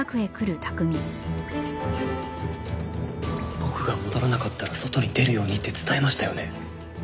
僕が戻らなかったら外に出るようにって伝えましたよね？